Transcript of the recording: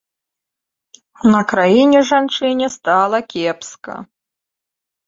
На краіне жанчыне стала кепска.